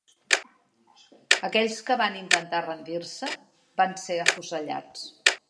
Aquells que van intentar rendir-se van ser afusellats.